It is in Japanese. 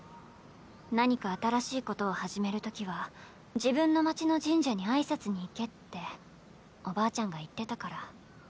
何か新しいことを始めるときは自分の街の神社に挨拶に行けっておばあちゃんが言ってたから。